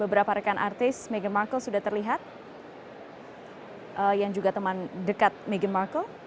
beberapa rekan artis meghan markle sudah terlihat yang juga teman dekat meghan markle